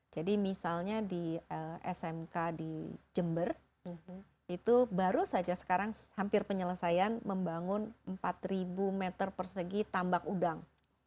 jadi misalnya di smk di jember itu baru saja sekarang hampir penyelesaian membangun empat meter persegi tambak udang